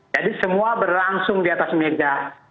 jadi semua berlangsung di atas meja